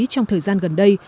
trong thời gian gần đây